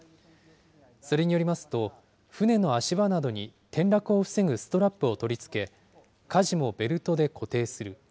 それによりますと、舟の足場などに転落を防ぐストラップを取り付け、かじもベルトで固定する。